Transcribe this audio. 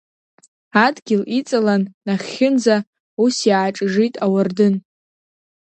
Адгьыл иҵалан, нахьхьынӡа, ус иааҿыжит ауардын.